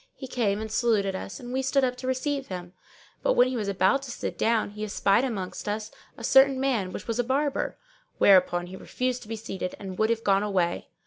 He came and saluted us and we stood up to receive him; but when he was about to sit down he espied amongst us a certain man which was a Barber; whereupon he refused to be seated and would have gone away.